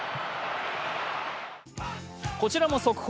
こちらも速報。